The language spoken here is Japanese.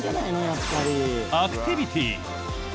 アクティビティ。